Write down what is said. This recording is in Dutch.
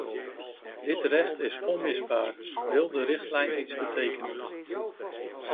Dit recht is onmisbaar, wil de richtlijn iets betekenen.